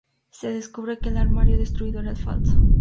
Se descubre que el armario destruido era falso.